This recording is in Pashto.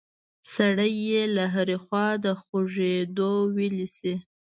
سړی یې له هرې خوا د خوږېدو ویلی شي.